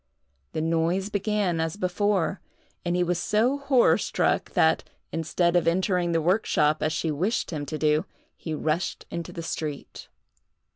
The noise began as before, and he was so horror struck that, instead of entering the workshop as she wished him to do, he rushed into the street.